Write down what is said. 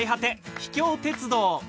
秘境×鉄道」